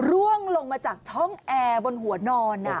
ร่วงลงมาจากช่องแอร์บนหัวนอน